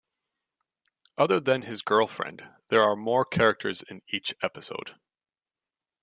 Other than his girlfriend there are more characters in each episode.